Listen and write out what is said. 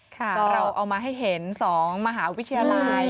ก็เราเอามาให้เห็น๒มหาวิทยาลัย